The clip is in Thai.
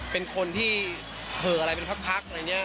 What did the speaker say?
เป็นคนที่เหอะอะไรเป็นพักอะไรอย่างนี้